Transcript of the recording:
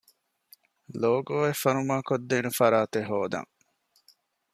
ލޯގޯއެއް ފަރުމާކޮށްދޭނެ ފަރާތެއް ހޯދަން